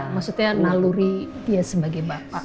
maksudnya naluri dia sebagai bapak